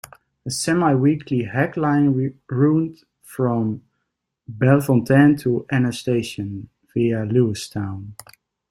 A semiweekly hack line runed from Bellefontaine to Anna Station, via Lewistown.